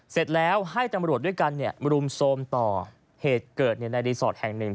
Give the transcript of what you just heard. เสร็จแล้วให้ตำรวจด้วยกันเนี่ยรุมโทรมต่อเหตุเกิดในรีสอร์ทแห่งหนึ่ง